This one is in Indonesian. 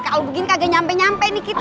kalau begini kagak nyampe nyampe nih kita